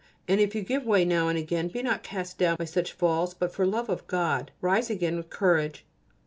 And if you give way now and again, be not cast down by such falls, but for love of God rise again with courage.